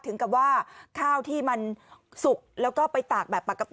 ถึงกับว่าข้าวที่มันสุก